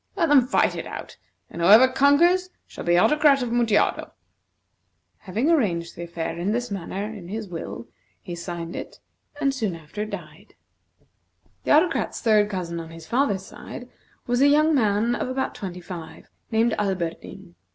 Let them fight it out, and whoever conquers shall be Autocrat of Mutjado." Having arranged the affair in this manner in his will, he signed it, and soon after died. The Autocrat's third cousin on his father's side was a young man of about twenty five, named Alberdin.